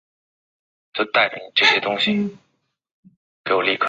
伊号第一三潜水舰是大日本帝国海军伊一三型潜水艇的一号舰。